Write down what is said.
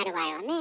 え